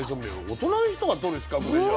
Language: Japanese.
大人の人が取る資格でしょ？